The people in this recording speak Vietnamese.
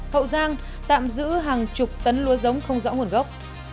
hậu giang tạm giữ hàng chục tấn lúa giống không rõ nguồn gốc